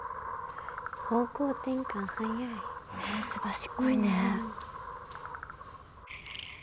方向転換速い。ねすばしっこいね。